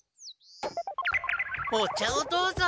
お茶をどうぞ！